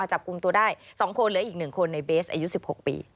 จับกลุ่มตัวได้๒คนเหลืออีก๑คนในเบสอายุ๑๖ปี